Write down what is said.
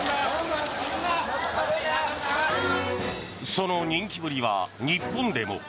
その人気ぶりは日本でも。